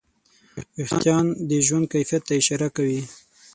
وېښتيان د ژوند کیفیت ته اشاره کوي.